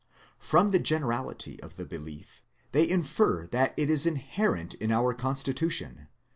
From the generality of the belief, they infer that it is inherent in our constitution